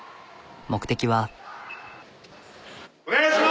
目的は。